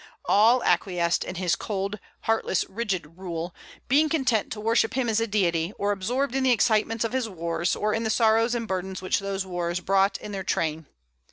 All acquiesced in his cold, heartless, rigid rule, being content to worship him as a deity, or absorbed in the excitements of his wars, or in the sorrows and burdens which those wars brought in their train.